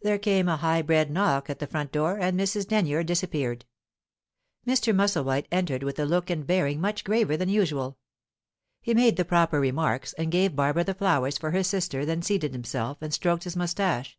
There came a high bred knock at the front door, and Mrs. Denyer disappeared. Mr. Musselwhite entered with a look and bearing much graver than usual. He made the proper remarks, and gave Barbara the flowers for her sister then seated himself, and stroked his moustache.